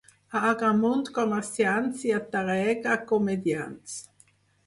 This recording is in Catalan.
A Agramunt comerciants i a Tàrrega comediants.